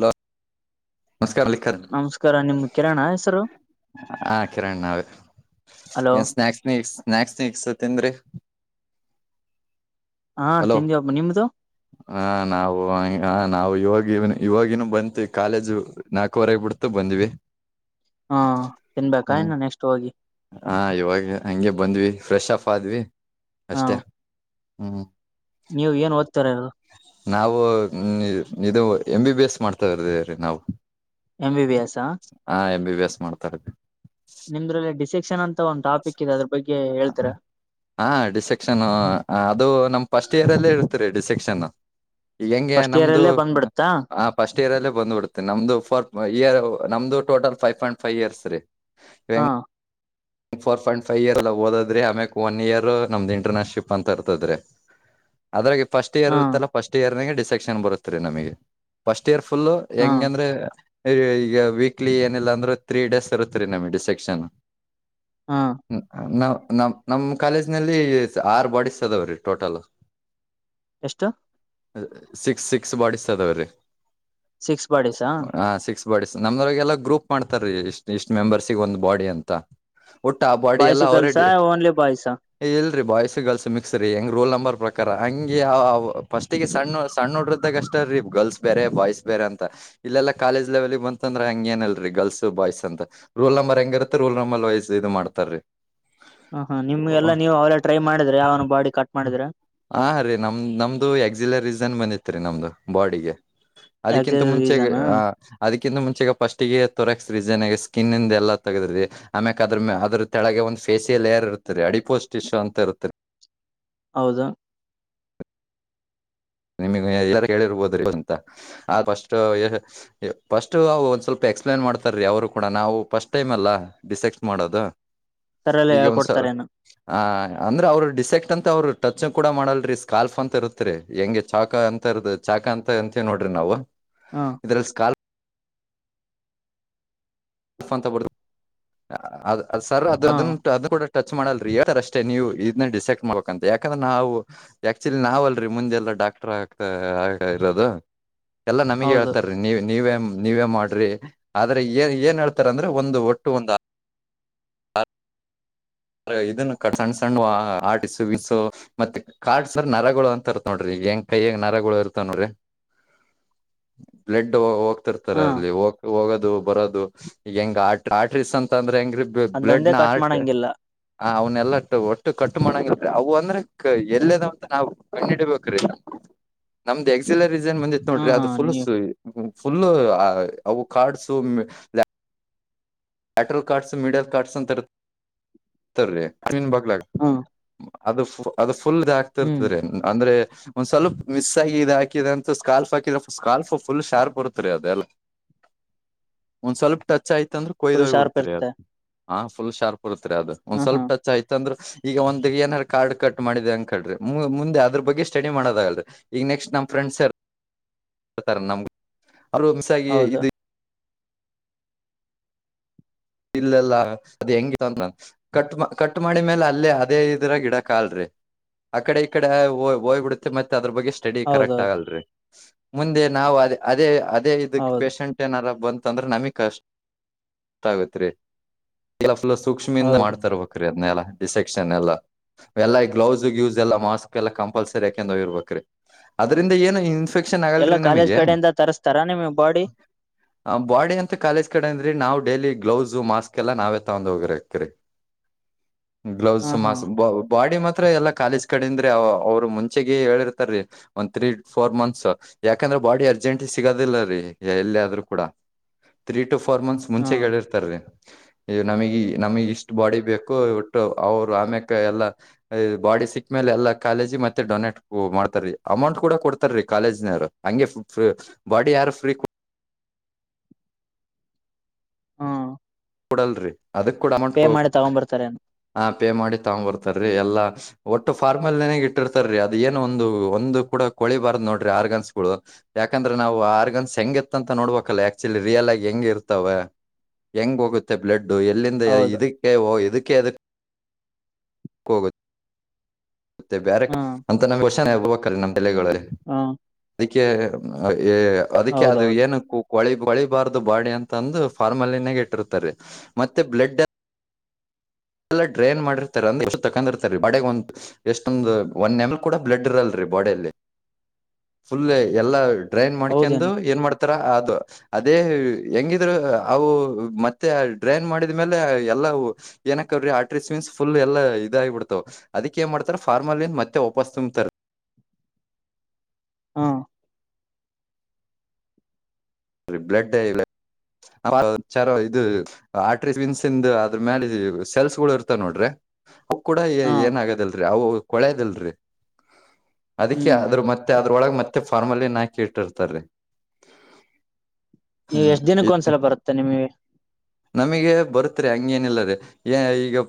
Hello. ನಮಸ್ಕಾರ ನಿಮ್ ಕಿರಣ್. ಹಾ ಕಿರಣ್ ನಾವೇ ಹಲೋ ಏನ್ ಸ್ನಾಕ್ಸ್ ನೀಕ್ಸ್ ಸ್ನಾಕ್ಸ್ ನೀಕ್ಸ್ ತಿಂದ್ರಿ ಹಾ ಹಲೋ ತಿಂದಿವಪ್ಪ ನಿಮ್ದು ಹಾ ನಾವು ಹಾ ನಾವು ಇವಾಗ್ ಇವನ ಇವಾಗಿನ್ನು ಬಂತ ಕಾಲೇಜು ನಾಲ್ಕುವರೆಗೆ ಬಿಡ್ತು ಬಂದಿವಿ. ಹಾ ತಿನ್ಬೇಕಾ ಹ್ಮ ಇನ್ನು ನೆಕ್ಸ್ಟ್ ಹೋಗಿ ಹಾ ಇವಾಗೆ ಹಂಗೆ ಬಂದ್ವಿ. ಫ್ರೆಶ್ ಅಪ್ ಆದ್ವಿ ಹಾ ಅಷ್ಟೇ ಹ್ಮ್. ನೀವು ಏನ್ ಓದ್ತಾರ ನಾವು ಇದು ಎಮ್ ಬಿ ಬಿ ಎಸ್ ಮಾಡ್ತಾರದೀ ನಾವು. ಎಂ ಬಿ ಬಿ ಎಸ್ ಹಾ. ಹಾ ಎಂ ಬಿ ಬಿ ಎಸ್ ಮಾಡ್ತ ಇರದ್ರಿ. ನಿಮ್ದ್ರಲ್ಲಿ ಡಿಸ್ಸೆಕ್ಷನ್ ಅಂತ ಒಂದು ಟಾಪಿಕ್ ಇದೆ ಅದ್ರ ಬಗ್ಗೆ ಹೇಳ್ ಹಾ ಡಿಸ್ಸೆಕ್ಷನ್ ಅದು ನಮ್ ಫಸ್ಟ್ ಇಯರ್ ಅಲ್ಲೇ ಇರ್ತರಿ ಡಿಸ್ಸೆಕ್ಷನ್. ಹೆಂಗೆ ಫಸ್ಟ್ ಇಯರ್ ನಮ್ದು ಅಲ್ಲೇ ಬಂದ್ಬಿಡ್ತಾ ಆ ಫಸ್ಟ್ ಇಯರ್ ಅಲ್ಲೇ ಬಂದ್ಬಿಡುತ್ತೆನೆ ನಮ್ದು ಫೋರ್ ಇಯರ್. ನಮ್ದು total five point five years ರೀ. ಇವ್ ಹಾ. ಫೋರ್ ಪಾಯಿಂಟ್ ಫೈವ್ ಇಯರ್ ಎಲ್ಲ ಓದುದ್ರೆ ಆಮ್ಯಕ್ ಒನ್ ಇಯರ್ ನಮ್ದು ಇಂಟರ್ನನ್ಶಿಪ್ ಅಂತ ಇರ್ತದ್ರಿ. ಅದ್ರಾಗೆ ಫಸ್ಟ್ ಇಯರ್ ಹಾ ಇರುತ್ತಲ್ಲ ಫಸ್ಟ್ ಇಯರ್ ನಾಗೆ ಡಿಸ್ಸೆಕ್ಷನ್ ಬರುತ್ರಿ ನಮಗೆ ಫಸ್ಟ್ ಇಯರ್ ಫುಲ್ಲು ಹಾ ಹೆಂಗ್ ಅಂದ್ರೆ ಈಗ ವೀಕ್ಲಿ ಏನಿಲ್ಲ ಅಂದ್ರು ತ್ರೀ ಡೇಸ್ ಇರುತ್ರಿ ನಮಗೆ ಡಿಸ್ಸೆಕ್ಷನ್. ಹಾ ಹ್ಮ ನಾವು ನಮ್ ನಮ್ ಕಾಲೇಜ್ ನಲ್ಲಿ ಆರು ಬಾಡಿಸ್ ಅದಾವ್ರಿ ಟೋಟಲ್. ಎಷ್ಟು. ಸಿಕ್ಸ್ ಸಿಕ್ಸ್ ಬಾಡಿಸ್ ಅದಾವ್ರೀ. ಸಿಕ್ಸ್ ಬಾಡೀಸಾ. ಬಾಡಿಸ್ ನಮ್ದಗೆಲ್ಲ ಗ್ರೂಪ್ ಮಾಡ್ತಾರೀ ಇಷ್ಟ್ ಇಷ್ಟ್ ಮೆಂಬರ್ಸಿಗೆ ಒಂದ್ ಬಾಡಿ ಅಂತ. ಒಟ್ಟ ಆ ಬಾಡಿ ಬಾಯ್ಸ್ ಎಲ್ಲ ಗರ್ಲ್ಸ್ ಅವ್ರಡ್ ಓನ್ಲಿ ಬಾಯ್ಸ್ ಹ ಇಲ್ರಿ ಬಾಯ್ಸ್ ಗರ್ಲ್ಸ್ ಮಿಕ್ಸ್ ರೀ ಹೆಂಗ್ ರೋಲ್ ನಂಬರ್ ಪ್ರಕಾರ ಹಂಗೆ ಫಸ್ಟಿಗೆ ಸಣ್ಣ ಸಣ್ಣ ಹುಡ್ರಿದ್ದಾಗ ಅಷ್ಟೇ ರೀ ಗರ್ಲ್ಸ್ ಬೇರೆ ಬಾಯ್ಸ್ ಬೇರೆ ಅಂತ. ಇಲ್ಲೆಲ್ಲ ಕಾಲೇಜ್ ಲೆವೆಲಿಗ್ ಬಂತಂದ್ರೆ ಹಂಗೇನಲ್ರಿ ಗರ್ಲ್ಸ್ ಬಾಯ್ಸ್ ಅಂತ ರೂಲ್ ನಂಬರ್ ಹೆಂಗಿರುತ್ತೆ ರೂಲ್ ನಂಬರ್ ವಯ್ಸ್ ಇದ್ ಮಾಡ್ತಾರೀ. ಹಾ ಹಾ ನಿಮ್ಗೆಲ್ಲಾ ನೀವು ಅವೆಲ್ಲ ಟ್ರೈ ಮಾಡಿದ್ರ ಯಾವನು ಬಾಡಿ ಕಟ್ ಮಾಡಿದ್ರ. ಹಾ ರೀ ನಮ್ದ್ ನಮ್ದು ಎಕ್ಸಿಲರೀಸನ್ ಬಂದಿತ್ರಿ ನಮ್ದು ಬಾಡಿಗೆ. ಅದಕ್ಕಿಂತ ಎಕ್ಸಾಕ್ಟ್ ಮುಂಚೆಗ್ ರೀಸನ್ ಹಾ ಕಿಂತ ಮುಂಚೆಗ ಫಸ್ಟಿಗೆ ತೊರೆಕ್ಸ್ ರೀಜನ್ ಸ್ಕಿನ್ ಇಂದ ಎಲ್ಲ ತಗದ್ರಿ ಆಮ್ಯಕ್ ಯಾದ್ರ ಮ ಅದ್ರ ತಳಗೆ ಒಂದ್ ಫೇಸಿಯಲ್ ಏಯರ್ ಇರ್ತರಿ ಅಡಿಪೋಸ್ಟ್ ಇಶ್ಯು ಅಂತ ಇರ್ತರಿ ಹೌದಾ ನಿಮಗೆ ಯಾರ ಹೇಳಿರ್ಬೋದ್ರಿ ಅಂತಸ್ ಫಸ್ಟ್ ಒಂದ್ ಸ್ವಲ್ಪ ಎಕ್ಸ್ಪ್ಲೇನ್ ಮಾಡ್ತಾರ ರೀ ಅವರು ಕೂಡ ನಾವು ಫಸ್ಟ್ ಟೈಮ್ ಅಲ್ಲ ಡಿಸೆಕ್ಸ್ಟ್ ಮಾಡೋದು ಸರ್ ಎಲ್ಲ ಈಗ ಒಂದ್ಸ ಹೇಳ್ಕೊಡ್ತಾರೇನು ಆ ಅಂದ್ರೆ ಅವರು ಡಿಸೆಕ್ಟ್ ಅಂತ ಅವರು ಟಚ್ ಕೂಡ ಮಾಡಲ್ರಿೀ ಸ್ಕಾಲ್ಫ ಅಂತ ಇರುತ್ರಿ ಹೆಂಗ ಚಾಕ ಅಂತ ಇರದು ಚಾಕ ಅಂತ ಅಂತ ನೋಡ್ರಿ ನಾವು ಹಾ ಇದ್ರಲ್ಲಿಲ್ ಅ ಅ ಸರ್ ಅದು ಹಾ ಅದದಡ ಟಚ್ ಮಾಡಲ್ರಿರ್ ಅಷ್ಟೇ ನೀವು ಇದನ್ನ ಡಿಸೆಕ್ಟ್ ಮಾಡ್ಬೇಕಂತ ಯಾಕಂದ್ರೆ ನಾವು ಆಕ್ಚುಲಿ ನಾವಲ್ರೀ ಮುಂದೆಲ್ಲ ಡಾಕ್ಟರ್ ಆಗ್ತಾ ಆ ಇರೋದು ಎಲ್ಲಾ ನಮಗ ಹೌದು ಹೇಳ್ತಾರಿ ನೀ ನೀವೇ ನೀವೇ ಮಾಡ್ರಿ ಆದ್ರೆ ಏನ್ ಏನ್ ಹೇಳ್ತ ಅಂದ್ರೆ ಒಂದು ಒಟ್ಟು ಒಂದು ಇದನ್ನ ಸಣ್ಣ ಸಣ್ಣ್ ಆಟಿಸು ಬಸು ಮತ್ತೆ ಕಾಡ್ರ್ ನರಗಳು ಅಂತರ ನೋಡ್ರಿ ಈಗ ಹೆಂಗ ಕೈಯಗ್ ನರಗಳು ಇರ್ತ ನ್ರೀ ಬ್ಲಡ್ ಹೋಗ ರ್ತಾರೆ ಹಾ ಅಲ್ಲಿ ಹೋಗೋದು ಬರೋದು ಈಗ ಹೆಂಗ ಆ ಆಟೀಸ್ ಅಂತ ಅಂದ್ರ ಸಂಗ್ರ ಬ್ಲಡ್ ಅದೊಂದೇ ನ ಕಟ್ ಆರ್ಟ್ ಮಾಡಂಗಿಲ್ಲ ಆ ಅವನ್ನೆಲ್ಲ ಒಟ್ಟು ಕಟ್ಟು ಮಾಡಂಗಿದ್ರಿ ಅವು ಅಂದ್ರೆ ಎಲ್ಲದಂತ ನಾವ್ ಕಣ್ಣಿಡ್ಬೇಕ್ರೀ ನಮ್ದ್ [unintelligible] ನ್ ಬಂದಿತ್ತು ಹಾ ನೋಡ್ರಿ ಹಾ ಅದು ಫು ನೀವು ಫುಲ್ಲ ಅವು ಕಾರ್ಡ್ಸ್ ಆಟ್ರೋ ಕಾರ್ಡ್ಸ್ ಮೀಡಲ್ ಕಾರ್ಡ್ಸ್ ಅಂತನ್ ಬಲ ಹಾ ಅದು ಅದು ಫುಲ್ ಇದ ಹ್ಮ್ ಆತಿರ್ತ್ರ ಅಂದ್ರೆ ಒಂದ್ ಸ್ವಲ್ಪ ಮಿಸ್ ಆಗಿ ಇ ಹಾಕಿದ ಅಂತ ಸ್ಕಾಲ್ಫ್ ಹಾಕಿದ್ರ ಸ್ಕಾಲ್ಫ್ ಫುಲ್ ಶಾರ್ಪ್ ಬರುತ್ತ ರರಿ ಅದೆಲ್ಲ ಒಂದ್ ಸ್ವಲ್ಪ ಟಚ್ ಆಯ್ತಂದ್ರ ಫುಲ್ ಕೊಯ್ದೋಯ್ ಶಾರ್ಪ್ ಬಿಡ್ತ್ರಿ ಅದು ಇರುತ್ತೆ ಹ ಫುಲ್ ಶಾರ್ಪ್ ಇರ್ತ್ರಿ ಅದ ಒಂದ್ ಹಾ ಹಾ ಸ್ವಲ್ಪ ಟಚ್ ಆಯ್ತಂದ್ರೆ ಈಗ ಒಂದ ಏನಾರ ಕಾರ್ಡ್ ಕಟ್ ಮಾಡಿದೆ ಅಂಕ್ರಿ ಮುಂದೆ ಅದ್ರ ಬಗ್ಗೆ ಸ್ಟಡಿ ಮಾಡದಾಗಲ್ ಈಗ ನೆಕ್ಸ್ಟ್ ನಮ್ಮ ಫ್ರೆಂಡ್ ಆನ್ಸರ್ ಹತಾರ ನಮ್ಗ ಅವರು ಮಿಸ್ ಆಗ ಹೌದು ಇದು ಇಲ್ಲಲ್ಲ ಅದ ಹೆಂಗ ಕಟ್ ಕಟ್ ಮಾಡಿ ಮೇಲೆ ಅಲ್ಲೇ ಅದೇ ಇದರ ಗಿಡ ಕಲ್ರರಿ ಆ ಕಡೆ ಈ ಕಡೆ ಹೋಗ್ಬಿಡುತ್ತೆ ಮತ್ತೆ ಅದ್ರ ಬಗ್ಗೆ ಸ್ಟಡಿ ಕರೆಕ್ಟ್ ಹೌದೌದು ಆಗಲ್ರರಿ ಮುಂದೆ ನಾವು ಅದ ಅದೇ ಅದೇ ಇದಕ್ ಹೌದು ಪೇಶಷಂಟ್ ಏನಾರ ಬಂತಂದ್ರೆ ನಮಿಗ್ ಕಷ್ಟ ಆಗತ್ರಿ ಸೂಕ್ಷ್ಮದಿಂದ ಹೌದು ಮಾಡ್ತರ್ಬೇಕ್ರೀ ಅದ್ನ್ನೆಲ್ಲ ಡಿಸೆಕ್ಷನ್ ಎಲ್ಲಾ ಎಲ್ಲ ಗ್ಲೌಸ್ ಯೂಸ್ ಎಲ್ಲ ಮಾಸ್ಕ್ ಎಲ್ಲ ಕಂಪಲ್ಸರಿ ಯಾಕೆ ಇರ್ಬೇಕ್ರೀ ಅದ್ರಿಂದ ಏನು ಇಫೆಕ್ಷನ್ ಎಲ್ಲ ಆಗಲ್ರರಿ ಕಾಲೇಜ್ ನಮಗೆ ಕಡೆಯಿಂದ ತರಿಸಸ್ತಾರಾ ನಿಮ್ಗೆ ಬಾಡಿ ಆ ಬಾಡಿ ಅಂತ ಕಾಲೇಜ್ ಕಡೆಂದ್ರಿ ನಾ ಡೈಲಿ ಗ್ಲೌಸು ಮಾಸ್ಕ್ ಎಲ್ಲ ನಾವೇ ತಗೊಂಡ ಹೋಗಿರತರಿ ಗ್ಲೌಸ್ ಹಾ ಹಾ ಮಾಸ್ ಬಡಿ ಮ ಎಲ್ಲಾ ಕಾಲೇಜ್ ಕಡೆದ್ರೆ ಅವರು ಮುಂಚೆಗ ಹೇಳಿರ್ತಾರೀ ಒಂದ್ ತ್ರೀ ಫೋರ್ ಮಂತ್ಸ್ ಯಾಕಂದ್ರೆ ಬಾಡಿ ಅರ್ಜೆಂಟ್ ಸಿಗೋದಿಲ್ಲ ರೀ ಎಲ್ಲಿ ಆದ್ ಕೂಡ ಟು ಫೋರ್ ಮಂತ್ಸ್ ಹಾ ಮುಂಚೆ ಹೇಳಿರ್ತಾರೀ ನಮಗೆ ನಮಗ್ ಇಷ್ಟ್ ಬಾಡಿ ಬೇಕು ಒಟ್ಟು ಅವರು ಆಮ್ಯಕ ಎಲ್ಲಾ ಬಾಡಿ ಸಿಕ್ಕ ಮೇಲೆ ಎಲ್ಲಾ ಕಾಲೇಜಿ ಮತ್ತೆ ಡೊನೇಟ್ ಮಾಡ್ತಾರೀ ಅಮೌಂಟ್ ಕೂಡ ಕೊಡ್ತಾರ ರೀ ಕಾಲೇಜಿನರು ಹಂಗೆ ಬಾಡಿ ಯಾರು ಫ್ರೀ ಹಾ ಕೊಡಲ್ರಿ ಅದಕ್ ಕೂಡ ಅಮೌಂಟ್ ಪೇ ಹೋಗ ಮಾಡಿ ತಗೊಂಡ್ ಬರ್ತಾರೆ ಆ ಪೇ ಮಾಡಿ ತಗೊಂಡ್ ಬರ್ತಾರೀ ಎಲ್ಲಾ ಒಟ್ಟು ಫಾರ್ಮಲ್ನೆ ಇಟ್ಟಿರ್ತಾರೀ ಅದು ಏನು ಒಂದು ಒಂದು ಕೂಡ ಕೊಳಿಬಾರ್ದ ನೋರಿ ಆರ್ಗನ್ಸ್ ಗಳು ಯಾಕಂದ್ರ ನವು ಆರ್ಗನ್ಸ್ ಹೆಂಗತ್ತ ಅಂತ ನೋಡ್ಬೇಕಲ್ಲ ಆಕ್ಚುಲಿ ರಿಯಲ್ ಆಗ ಹೆಂಗ ಹ ಇರ್ತಾವ ಹೆಂಗ್ ಹೋಗುತ್ತೆ ಬ್ಲಡ್ಡು ಎಲ್ಲಿಂದ ಹೌದು ಇದಕ್ಕೆ ಓ ಇದಕ್ಕೆ ಅದಕ್ಕೆ ಕೋಗ ಮತ್ತೆ ಬೇರೆ ಹಾ ಅಂತ ನಮಗೆ ವಷನೆ ಹರ್ಬೇಕಲ್ಲ ನಮ್ಮ ತಲೆಗಳು ಹಾ ಅದಕ್ಕೆ ಅದಕ್ಕೆ ಅದು ಹೌದೌದು ಏನು ಕೊಳಿ ಪಳಿಬಾರ್ದು ಬಾಡಿ ಅಂತಂದು ಫಾರ್ಮಲಿನಾಗ ಇಟ್ಟಿರ್ತಾರೆ ಮತ್ತೆ ಬ್ಲಡ್ ಎಲ್ಲಾ ಡ್ರೈನ್ ಮಾಡಿರ್ತಾರೆ ಅಂದ್ರೆ ಎಷ್ಟು ತಕೊಂಡಿರ್ತಾರಿ ಬಡಗ್ ಒಂದ ಎಷ್ಟೊಂದಂದು ಒನ್ ನೆಮಲ್ ಕೂಡ ಬ್ಲಡ್ ಇರಲ್ರಿ ಬು ಎಲ್ಲ ಡ್ರೈ ಹೌದೇನು ಮಾಡ ಮಾಡ್ ಅದು ಅದೇ ಹೆಂಗಿದ್ರು ಅವು ಮತ್ತೆ ಡ್ರೈನ್ ಮಾಡಿದ ಮೇಲೆ ಎಲ್ಲ ಏನಕ ಅವ್ರೀ ಆಟ್ರೀಮೀನ್ಸ್ ಫುಲ್ ಎಲ್ಲ ಇದಾಗಿಬಿಡ್ತಾವ ಅದಿ ಏನ್ ಮಾಡ್ತಾರ ಫಾರ್ಮಾಲನ್ ಮತ್ತೆ ವಪಾಸ್ ತುಂಬತರ್ ಹಾ ಅರಿ ಬ್ಲಡ್ ಇಲ್ಲ ಚ ಇದು ಆಟ್ರಿ ವಿನ್ಸಿಂದ ಅದ್ರ ಮೇಾಲ ಸೆಲ್ಸ್ ಗಳು ಇರ್ತ ನೋಡ್ರಿ ಅ ಕೂಡ ಹಾ ಏನ ಆಾಗದಲ್ರರಿ ಅವು ಕೊಳೆಯದಿಲ್ರರಿ ಅದಕ್ಕೆ ಹ್ಮ್ ಆದ್ರರು ಮತ್ತೆ ಅದ್ರೊಳಗ ಮತ್ತೆ ಫಾರ್ಮಲ್ಲಿ ನಾಕಿ ಇಟ್ಟಿರ್ತಾರೆ ನೀವು ಎಷ್ಟ್ ದಿನಕ್ಕ ಒಂದ್ಸಲ ಬರುತ್ತೆ ನಿಮಗೆ ನಮಗೆ ಬರುತ್ ಹಂಗ ನಿಲ್ಲ ರ ಈಗ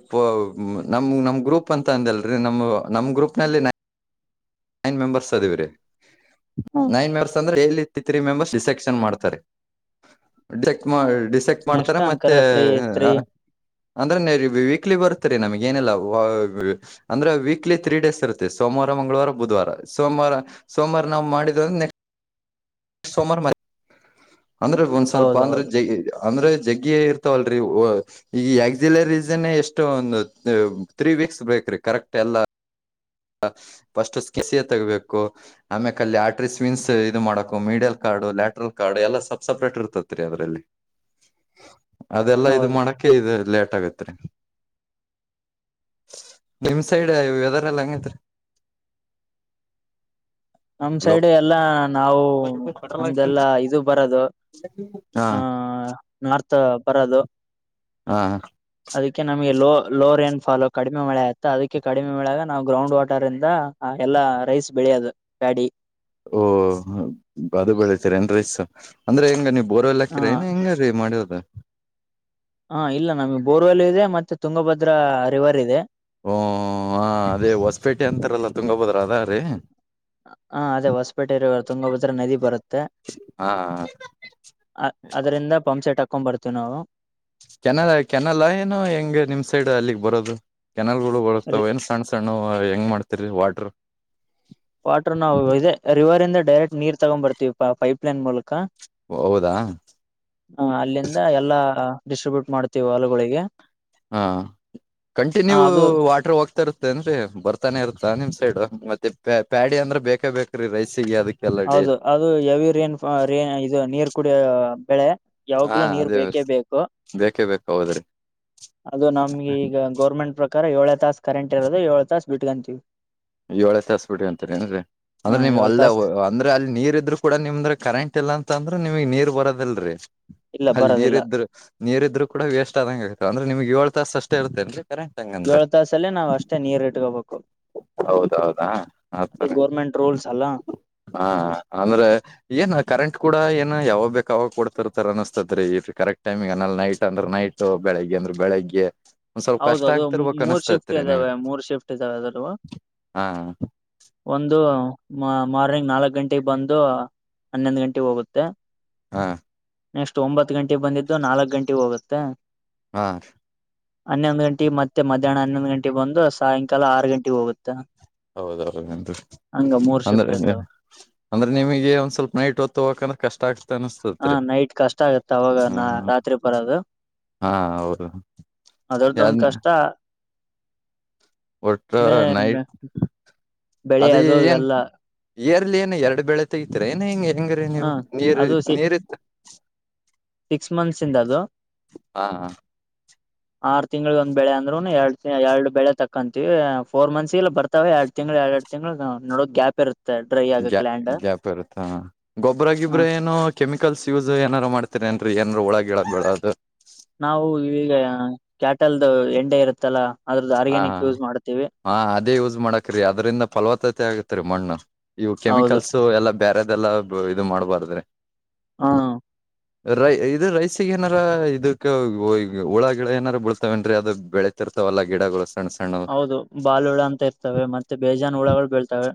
ನಮ್ ನಮ ಗ್ರೂಪ್ ಅಂತ ಅಂದಲ್ಲ ನ ನಮ್ ಗ್ರೂಪ್ ನಲ್ಲಿ ನ ನೈನ್ ಮೆಂಬರ್ಸ್ ಅದಿವೀ ಹ್ಮ ನೈನ್ ಮೆಂಬರ್ಸ್ ಅಂದ್ರೆ ಎ ತ್ರಿ ತ್ರಿ ಮೆಂಬರ್ಸ್ ಡಿಸೆಕ್ಷನ್ ಮಾಡತಾರೆ ಮಾಡ ಡಿಸೆಕ್ಟ್ ಮಾಡ್ತಾರ ನೆಕ್ಸ್ಟ್ ಅಂಕರ ಮತ್ತೆ ತ್ರೀ ತ್ರೀ ಅಂದ್ರೆ ವೀಕ್ಲಿ ಬರುತ್ತರೀ ನಮಗ ಏನಲ್ಲ ಅಂದ್ರೆ ವೀಕ್ಲಿ ತ್ರೀ ಡೇಸ್ ಇರುತ್ತೆ ಸೋಮ ಸೋಮವಾರ ಮಂಗಳವಾರ ಬುಧವಾರ ಸೋಮವಾರ ಸೋಮವಾರ ನಾವು ಮಾಡಿದ ನೆಕ್ಸ್ಟ್ ಸೋಮಾರ ಮ ಅಂದ್ರೆ ಒಂದ್ ಸ್ವಲ್ಪ ಅಂದ್ರೆ ಹೌದೌದು ಜೈ ಅಂದ್ರೆ ಜಗ್ಗಿಯ ಇರ್ತಾವಲ್ರರಿ ಈ ಎಕ್ಸಿಲ ರೀಸನ್ ಎಷ್ಟು ಒಂದ ಥ್ರೀ ಫಿಕ್ಸ್ ಬೇಕರೀ ಕರೆಕ್ಟ್ ಎಲ್ಲ ಫಸ್ಟ್ ಕಿಸಿಯ ತಗಬೇಕು ಆಮ್ಯ ಕ ಅಲ್ಲಿ ಆಟ್ರಿ ಸ್ವಿನ್ಸ್ ಇದು ಮಾಡಕು ಮೀಡಿಯಲ್ ಕ ಲೇಟರಲ್ ಕಾರ್ಡ್ ಎಲ್ಲ ಸಪ್ ಸಪ್ರೇಟ್ ಇರ್ತತ್ ರೀ ಅದರಲ್ಲಿ ಅದೆಲ್ಲಾ ಇದು ಹೌದು ಮಾಡೋಕ ಇದು ಲೇಟ್ ಅಗತಾರಿ ನಿಮ್ ಸೈಡ್ ವೆದರ್ ಎಲ್ಲಾ [inaudible] ನಮ್ ಹಲೋ ಸೈಡ್ ಎಲ್ಲಾ ನಾವು ನಮ್ದಲ್ಲಾ ಇದು ಬರದು ಹಾ ಹ ನಾರ್ತ್ ಬರೋದು ಹಾ ಅದಕ್ಕೆ ನಮ್ಗೆ ಎಲ್ಲೋ ಲೋರ್ ಏನ್ ಫಾಲ್ ಕಡಿಮೆ ಮಳೆ ಆಯತಾ ಅದಕ್ಕೆ ಕಡಿಮೆ ಮಳಾಗ ನಾವು ಗ್ರೌಂಡ್ ವಾಟರ್ ಇಂದ ಎಲ್ಲಾ ರೈಸ್ ಬಿ ಪ್ಯಾಡಿ ಓ ಅದು ಬೆಳಿತರಿ ಎನ್ರ ಅಂದ್ರೆ ಹೆಂಗ ನೀವು ಬೋರ್ ಹ ಎಲ್ಲಾಕಿರ ಏ ಹೆಂಗ ರೀ ಮಾಡರದ ಹಾ ಇಲ್ಲ ನಮ್ಗೆ ಬೋರ್ವೆಲ್ ಇದೆ ಮತ್ತೆ ತುಂಗಭದ್ರಾ ರಿವರ್ ಇದೆ ಹಓ ಹ ಅದೇ ಹೊಸಪೇಟೆ ಅಂತಾರಲ್ಲ ತುಂಗಭದ್ರ ಅದ ರೀ ಹ ಅದೇ ಹೊಸಪೇಟೆರು ತುಂಗಭದ್ರೆ ನದಿ ಬರುತ್ತೆ ಹಾ ಅ ಅದರಿಂದ ಪಂಪ್ಸೆಟ್ ಹಕೊಂಡ್ಂಬರ್ತೀವಿ ನಾವು ಕೆನಲ ಕೆನಲ ಏನು ಹೆಂಗ ನಿಮ್ ಸೈಡ್ ಅಲ್ಲಿಗ್ ಬರೋದು ಕೆನಲ್ ಗಳು ಬಳತಾವ ಏನ್ ಸಣ್ಣ ಸಣ್ಣ ಹೆಂಗ್ ಮಾಡ್ತರಿ ವಾಟ್ರ ವಾಟರ್ ನೇ ರಿವರ್ ಇಂದ ಡೈರೆಕ್ಟ್ ನೀರ್ ತಗೊಂಡ್ ಬರ್ತೀವಿ ಪೈಪ್ಲನ್ ಮೂಲಕ ಹೌದಾ ಹ ಅಲ್ಲಿಂದ ಎಲ್ಲಾ ಡಿಸ್ಟ್ರಿಬ್ಯೂಟ್ ಮಾಡ್ತೀವಿ ಆಲಗಳಿಗೆ ಹಾ ಕಂಟಿನ್ಯೂ ಅದು ವಾಟ್ರ ಹೋಗ್ತಾ ಇರ್ತ್ತೇನ್ರಿ ಬರ್ತಾನೆ ಇರ್ತ್ತ ನಿಮ್ ಸೈಡ್ ಮತ್ತೆ ಪ ಪ್ಯಾಡಿ ಅಂದ್ರೆ ಬೇಕೇ ಬೇಕ್ರೀ ರೈಸಿಗೆ ಅದ ಹೌದು ಅದು ಹೆವಿ ರೇನ್ ರೇನ್ ಇದು ನೀರ್ ಕುಡಿಯ ಬೆಳೆ ಹಾ ಯಾವಾಗ್ಲೂ ನೀರ್ ಅದೇ ಬೇಕೇ ಬೇಕು ಬೇಕೇ ಬೇಕ ಹೌದ್ರಿ ಅದು ನಮ್ಗೆ ಈಗ ಗೋರ್ಮೆಂಟ್ ಪ್ರಕಾರ ಏಳೇ ತಾಸ ಕರೆಂಟ್ ಇರೋದು ಏಳ ತಾಸ ಬಿಟ್ಕಂತೀವಿ ಏಳೇ ತಸ್ಬಿಟ್ಟಿ ಅಂತರಿ ನ್ರಿ ಹ ಅಂದ್ರೆ ನಿವು ಏಳ್ ಅಲ್ಲ ತಾಸ ಅಂದ್ರೆ ಅಲ್ಲಿ ನೀರ್ ಇದ್ರು ಕೂಡ ನಿಮ್ರ ಕರೆಂಟ್ ಇಲ್ಲ ಅಂತ ಅಂದ್ರ ನಿಮಗ್ ನೀರ್ ಬರದಿಲ್ರಿ ಇಲ್ಲ ಅಲ್ಲಿ ನೀರ ಬರೋದಿಲ್ಲ ಇದ್ರು ನೀರ ಇದ್ರು ಕೂಡ ವೇಸ್ಟ್ ಆದಂಗಗೆ ಆಯತ ಅಂದ್ರೆ ನಿಮಗ್ಗೆ ಏಳು ತಾಸ ಅಷ್ಟೇ ಇರ್ತೇನ್ರಿ ಕರೆಂಟ್ ಹಂಗಂದ್ರ ಏಳ್ ತಾಸಲ್ಲೇ ನಾವ ಅಷ್ಟೇ ನೀರ್ ಇಟ್ಕೋಬೇಕು ಹೌದೌದಾ ಅದು ಆತಾರೆ ಗೋರ್ಮೆಂಟ್ ರೂಲ್ಸ್ ಅಲ್ಲ ಹಾ ಅಂದ್ರೆ ಏನ ಕರೆಂಟ್ ಕೂಡ ಏನೋ ಯಾವಾಗ ಬೇಕ ಅವಾಗ ಕೊಡ್ತಿರ್ತಾರ ಅನಸ್ತತ್ ರೀ ಈ ಕರೆಕ್ಟ್ ಟೈಮಿ್ ಅನಲ್ಲಿ ನೈಟ್ ಅಂದ್ರ ನೈಟ್ ಬೆಳಗ್ಗೆ. ಅಂದ್ರೆ ಬೆಳಿಗ್ಗೆ ಒಂದ್ ಸ್ವಲ್ಪ ಕಷ್ಟ ಹೌದೌದು ಆಗ್ತಿರ್ಬೇಕ್ ಮೂರ್ ಶಿಫ್ಟ್ ಅನಸ್ತತ್ರಿ ನಿಮ್ಗ್ ಇದ್ದಾವೆ ಮೂರ್ ಶಿಫ್ಟ್ ಇದ್ದಾವೆ ಅದಲ್ಲೂ ಹಾ ಮಾರ್ನಿಂಗ್ ನಲ್ಕ್ ಗಂಟೆಗೆ ಬಂದು ಹನ್ನೊಂದು ಗಂಟೆಗೆ ಹೋಗುತ್ತೆ ಹಾ ನೆಕ್ಸ್ಟ್ ಒಂಬತ್ತು ಗಂಟೆಗೆ ಬಂದಿದ್ದು ನಾಲ್ಕ್ ಗಂಟೆಗೆ ಹೋಗುತ್ತೆ ಹಾ ಹನ್ನೊಂದು ಗಂಟೆಗೆ ಮತ್ತೆ ಮಧ್ಯಾಹ್ನ ಹನ್ನೊಂದು ಗಂಟೆಗೆ ಬಂದು ಸಾಯಂಕಾಲ ಆರು ಗಂಟೆಗೆ ಹೋಗುತ್ತಾ ಹೌದೌದುಂ ಶಿಫ್ಟ್ ಅಂದ್ರೆ ಇರ್ತಾವ ಅಂದ್ರೆ ನಿಮಗೆ ಒಂದ್ ಸ್ವಲ್ಪ ನೈಟ್ ಹೊತ್ತು ಹಕಣ ಕಷ್ಟ. ಆಗ್ತ ಹಾ ಅನಸ್ತತ್ರಿ ನೈಟ್ ಕಷ್ಟ ಆಗತ್ತೆ ಅವಾಗ ನಾ ಹ್ಮ್ ರಾತ್ರಿ ಬರೋದು. ಹಾ ಹೌದು ಅದ್ರ ಅದೊಂದು ಯಾನ್ ಕಷ್ಟ ಒಟ್ಟ ಒಮ್ಮೆ ನೈಟ್ ಬೆಳೆ ಅದ ಅದು ಏನ್. ಇವೆಲ್ಲ ಇಯರ್ಲಿ ಏನ ಎರಡ್ ಬೆಳೆತೆ ಇತ್ ಏನ ಹಿಂಗ್ ಹೆಂಗ್ರೀ ಹ ನೀವು ನೀರ್ ಅದು ಸಿ ನೀರ್ ಇತ್ತ. ಸಿಕ್ಸ್ ಮಂತ್ಸ್ ಇಂದ ಅದು. ಹ ಆರು ತಿಂಗಳಿ ಒಂದ್ ಬೆಳೆ ಅಂದ್ರುನು ಎರಡ್ ಎರಡು ಬೆಳೆ ತಕ್ಕಕಂತೀವಿ ಫೋರ್ ಮಂತ್ಸ್ ಇಲ್ಲ ಬರ್ತಾವ ಎರಡ್ ತಿಂಗ. ಎರ ಎರಡು ತಿಂಗಳು ನೋಡ ಗ್ಯಾಪ್ ಇರುತ್ತೆ ಡ್ರೈ ಗ್ಯಾ ಆಗಕ್ ಲ್ಯಾಂಡ್ ಗ್ಯಾಪ್ ಇರುತ್ತಾ ಹ ಗೊಬ್ಬ್ರಗಿಬ್ರ ಏನೋ ಕೆಮಿಕಲ್ಸ್ ಯೂಸ್ ಏನಾರು ಮಾಡ್ತರಿ ಅ ಏನ್ರು ಒಳ ಗಿಳ ಬೇಡದು. ನಾವು ಈಗ ಕ್ಯಾಟಲ್ದು ಎಂಡೆ ಇರುತ್ತೆ. ಹಾ ಹ ಹಾ ಅದೇ ಯೂಸ್ ಮಾಡಕ್ರೀ ಅದ್ರಂದ ಫಲವತ್ತತೆ ಆಗತ್ರಿ ಮಣ್ಣು. ಇವು ಹೌದು ಕೆಮಿಕಲ್ಸ್ ಎಲ್ಲಾ ಬೇರೆದೆಲ್ಲ ಇದು ಮಾಡ್ಬಾರ್ದ್ರಿ. ಹಾ ರೈ ಇದು ರೈಸಿಗೆ ಏನಾರ ಇದಕ್ಕ ಹುಳ ಗಿಳ ಏನಾರ ಬಳ್ತವೇನ್ರೀ ಅದು ಬೆಳೆತಿರ್. ಅವಲ್ಲ ಗಿಡಗಳು. ಸಣ್ಣ ಸಣ್ಣವು ಹೌದು ಬಾಲ್ ಹುಳ ಅಂತ ಇರ್ತವೆ ಮತ್ತೆ ಬೇಜಾನ್ ಹುಳಗಳು ಬೆಳ್ತವೆ.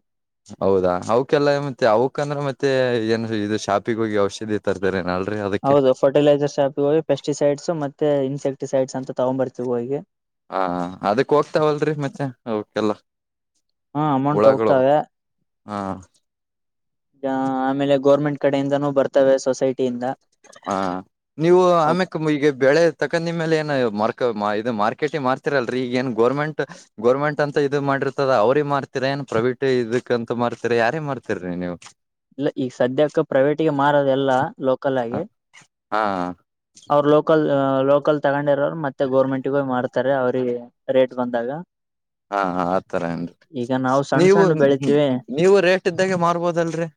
ಹೌದಾ ಅವಕಲ್ಲ ಮತ್ತೆ ಅವ್ಕ ಅಂದ್ರೆ ಮತ್ತೆ ಏನ್ ಇದು ಶಾಪಿಿಗೆ ಹೋಗಿ ಔಷಧಿ ತರ್ತಾರೆ ನಳ. ಹೌದು ಫರ್ಟಿಲೈಸರ್ಸ್ ಶಾಪಿಗೆ ಹೋಗಿ ಪೆಸ್ಟಿಸೈಡ್ಸ್ ಮತ್ತೆ ಇನ್ಸೆಕ್ಟಿಸೈಡ್ಸ್ ಅಂತ ತಗೊಂಡ್ ಬರ್ತೀವಿ ಹೋಗಿ. ಹಾ ಅದಕ್ ಹೋಗ್ತಾವಲ್ರಿ ಮತ್ತೆ ಅವಕಲ್ಲ. ಹಾ ಅಮೌಂಟ್ ಹೋಗತಾಗ ಹಾ ಆಮೇಲೆ ಗೋರ್ಮೆಂಟ್ ಕಡೆಯಿಂದಾನೂ ಬರ್ತವೆ ಸೊಸೈಟಿಯಿಂದ ಹಾ ನೀವು ಆಮ್ಯಕ್ ಈಗ ಬೆಳೆ ತಕ್ಕ ನಿಮ್ಮೇಲೆ ಏನು ಮರ್ ಇದು ಮಾರ್ಕೆಟಿ ಮಾರ್ತಿರಲ್ರಿ ಈಗ ಏನ್ ಗೋರ್ಮೆಂಟ್ ಗೋರ್ಮೆಂಟ್ ಅಂತ ಇದು ಮಾಡಿರ್ತದ ಅವ್ರಿಗೆ ಮಾರ್ತಿರ. ನನ್ ಪ್ರವೀಟ್ ಇದಕ್ಕಂತ ಮಾಡ್ತರಿ ಯಾರೇ ಮಾಡ್ತಿರಿ ನೀವು. ಇಲ್ಲ ಈಗ ಸದ್ಯಕ್ಕೆ ಪ್ರೈವೇಟಗೆ ಮಾರದೆ ಎಲ್ಲ ಲೋಕಲ್ ಆಗಿ ಹಾ ಅವರು ಲೋಕಲ್ ಲೋಕಲ್ ತಗೊಂಡಿರೋರು ಮತ್ತೆ ಗೌರ್ಮೆಂಟ್ಗೂ ಮಾಡ್ತಾರೆ ಇತಾರೆ ಅವ್ರ ರೇಟ್ ಬಂದಾಗ [inaudible] ಹಾ ಆತರ ಏನ್ರಿ ಈಗ ನಾವು ಸಣ್ಣ ನೀವು ಸಣ್ಣ ಬೆಳಿತೀವಿ ನೀವು ರೇಟ್ ಇದ್ದಾಗೆ ಮಾರ್ಬೋದಲ್ರರಿ.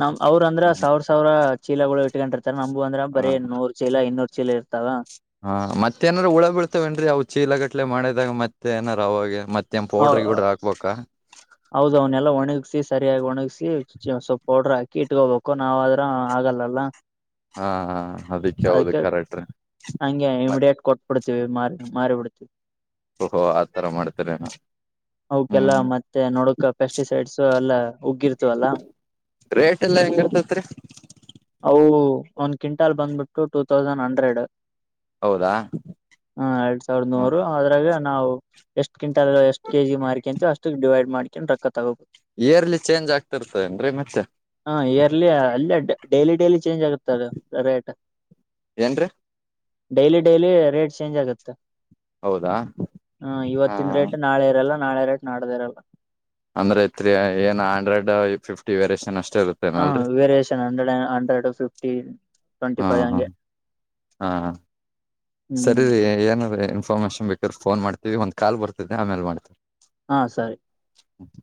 ನಮ ಅವ್ರ ಅಂದ್ರ ಸಾವರ್ ಸಾವಿರ ಚೀಲಗಳು ಇಟ್ಕೊಂಡರ್ ನಂಬಗ ಅಂದ್ರ ಬರೀ ಹ ನೂರು ಚೀಲ ಇನ್ನೂರು ಚೀಲ ಇರ್ತಾವ ಹಾ ಮತ್ತೆ ಏನಾರ ಉುಳ ಬೀಳ್ತವೇಏನ್ರೀ ಅವು ಚೀಲ ಗಟ್ಲೆ ಮಾಡಿದಾಗ ಮತ್ತೆ ಏನಾರ ಅವಾಗೆ ಮತ್ತೆ ಮಮ ಪೌಡ್ರಿ ಗಿಡ್ರರ್ ಹಾಕ್ಬಬೇಕ ಹೌದ ಅವನ್ನೆಲ್ಲ ಒಣಗಸ ಸರಿಯಾಗಿ ಒಣಗಸಿ ಸ್ವಲ್ಪ ನೋಡ್ರ ಅಕ್ಕಿ ಇಟ್ಕೋಬೇಕು ನಾವ್ ಆದ್ರ ಆಗಲ್ಲಲ್ಲ ಹಾ ಹೌದು ಅದಕ್ಕೆ ಕರೆಕ್ಟ್ರಿ ಹಂಗೆ ಇಮಿಡಿಯೇಟ್ ಕೊಟ್ಬಿಡ್ತ ಮಾಬಡ ಓಹೋ ಆತರ ಮಾಡ್ತೇನೆ ನಾ ಅವಕಲ್ಲ ಮತ್ತೆ ನೋಡಕ ಪೆಸ್ಟಿಸೈಡ್ಸ್ ಎಲ್ಲಾ ಉಗ್ಗಿರ್ತವಲ್ಲ ರೇಟ್ ಎಲ್ಲಾ ಹೆಂಗ ಇರ್ತತ್ರಿ ಅವು ಒಂದ್ ಕ್ವಿಂಟಾಲ್ ಬಂದ್ಬಿಟ್ಟು ಟೂ ತೌಸಂಡ್ ಹಂಡ್ರೆಡ್ ಹೌದಾ ಹಾ ಎರಡ್ ಸಾವಿರದ ಹ ಮೂೂರು ಅದ್ರಾಗ ನಾವು ಎಷ್ಟು ಕಿಂಟಲ್ ಎಷ್ಟ ಕೆ ಜಿ ಮಾರ್ಕಂತ ಅಷ್ಟು ಡಿವೈಡ್ ಮಾಡ್ಕೊಂಡು ರೊ ತಗೋಬೇಕುದು ಇಯರ್ಲಿ ಚೇಂಜ್ ಆಗ್ತಿರ್ತದ ಏನ್ರಿ ಮತ್ತೆ ಡೇಲಿ ಡೈಲಿ ಚೇಂಜ್ ಆಗತ್ತದ ರೇಟ್ ಏನ್ರೀ ಡೈಲಿ ಡೈಲಿ ರೇಟ್ ಚೇಂಜ್ ಆಗುತ್ತೆ ಹೌದಾ ಹ ಹಾ ಇವತ್ತಿನ ರೇಟ್ ನಾಳೆ ಇರಲ್ಲ ನಾಳೆರಟ್ ನಡದಿರಲ್ಲ ಅಂದ್ರೆ ರಿ ಏನ್ ಆಂಡ್ರಾಯಡ್ ಫಿಫ್ಟಿ ವೇರಿಯೇಷನ್ ಅಷ್ಟ ಹಾ variation hundred hundred fifty twenty ಹ್ಮ ಫೈವ್ ಹಾ ಹಂಗೆ ಹಾ ಹ್ಮ್ ಸರಿ ರರಿ ಏನಾದ್ರ ಇನ್ಫಾರ್ಮೇಶನ್ ಬೇಕಾದ್ರೆ ಫೋನ್ ಮಾಡ್ತೀವಿ ಒಂದ್ ಕಾಲ್ ಬರ್ತಿದ್ದೆ ಆಮೇಲೆ ಮಾಡ್ತೀವಿ ಹಾ ಸರಿ ಹ್ಮ